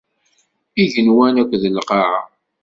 Igenwan akked lqaɛa.